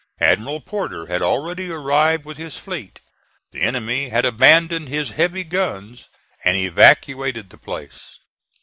Admiral Porter had already arrived with his fleet. The enemy had abandoned his heavy guns and evacuated the place.